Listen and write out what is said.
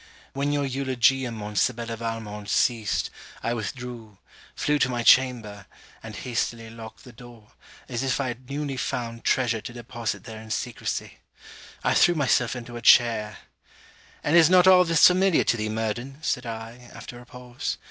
When your eulogium on Sibella Valmont ceased, I withdrew; flew to my chamber; and hastily locked the door, as if I had newly found treasure to deposit there in secresy. I threw myself into a chair. 'And is not all this familiar to thee, Murden?' said I, after a pause.